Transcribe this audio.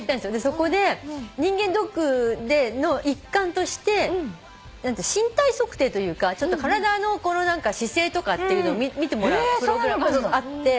そこで人間ドックでの一環として身体測定というか体の姿勢とかっていうのを診てもらうプログラムがあって。